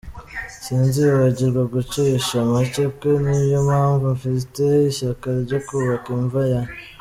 Sinzibagirwa gucisha make kwe niyo mpamvu mfite ishyaka ryo kubaka imva ye.